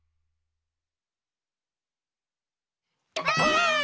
ばあっ！